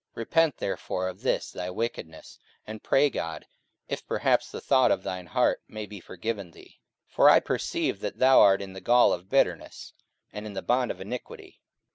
44:008:022 Repent therefore of this thy wickedness, and pray God, if perhaps the thought of thine heart may be forgiven thee. 44:008:023 For I perceive that thou art in the gall of bitterness, and in the bond of iniquity.